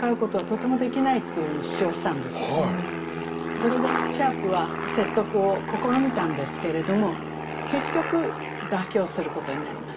それでシャープは説得を試みたんですけれども結局妥協することになります。